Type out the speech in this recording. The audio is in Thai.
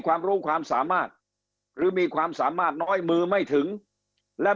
ความรู้ความสามารถหรือมีความสามารถน้อยมือไม่ถึงและ